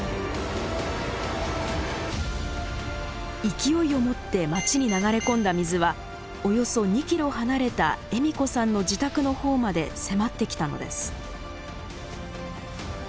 勢いを持って町に流れ込んだ水はおよそ２キロ離れた栄美子さんの自宅のほうまで迫ってきたのです。